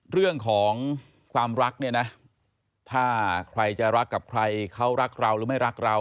เรื่องของความรักเนี่ยนะถ้าใครจะรักกับใครเขารักเราหรือไม่รักเรา